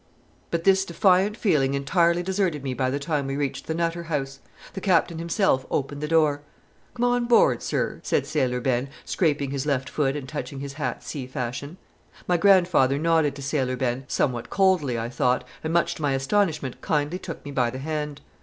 But this defiant feeling entirely deserted me by the time we reached the Nutter House. The Captain himself opened the door. "Come on board, sir," said Sailor Ben, scraping his left foot and touching his hat sea fashion. My grandfather nodded to Sailor Ben, somewhat coldly I thought, and much to my astonishment kindly took me by the hand.